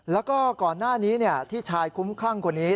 แล้วก็ก่อนหน้านี้ที่ชายคุ้มคลั่งคนนี้